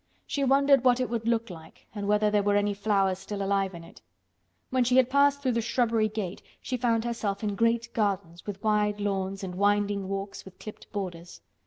She wondered what it would look like and whether there were any flowers still alive in it. When she had passed through the shrubbery gate she found herself in great gardens, with wide lawns and winding walks with clipped borders.